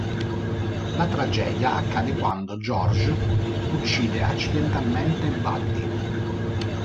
La tragedia accade quando George uccide accidentalmente Buddy.